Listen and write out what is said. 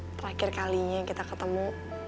terakhir kalinya kita ketemu